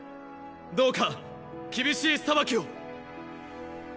どうか厳しい裁きを！